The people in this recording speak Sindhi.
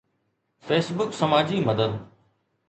Facebook سماجي مدد